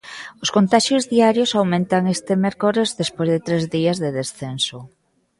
Os contaxios diarios aumentan este mércores despois de tres días de descenso.